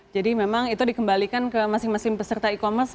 jadi memang itu dikembalikan ke masing masing peserta e commerce